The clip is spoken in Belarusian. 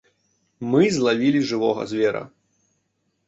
Мы злавілі жывога звера.